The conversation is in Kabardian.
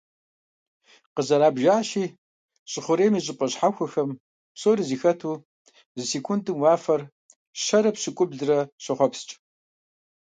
Къызэрабжащи, щӏы хъурейм и щӀыпӀэ щхьэхуэхэм псори зэхэту зы секундым уафэр щэрэ пщӏыукӏублырэ щохъуэпскӀ.